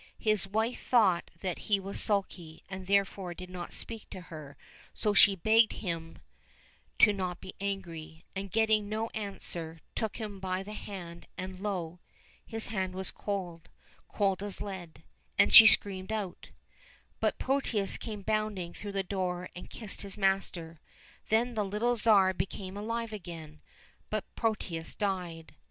His wife thought that he was sulky, and therefore did not speak to her, so she begged him not to be angry ; and, getting no answer, took him by the hand, and lo ! his hand was cold, as cold as lead, and she screamed out. But Protius came bounding through the door and kissed his master. Then the little Tsar became alive again, but Protius died.